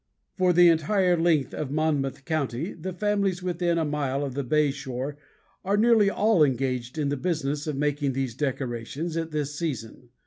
For the entire length of Monmouth county the families within a mile of the bay shore are nearly all engaged in the business of making these decorations at this season.